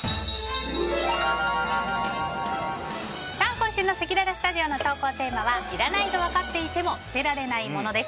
今週のせきららスタジオの投稿テーマはいらないとわかっていても捨てられないものです。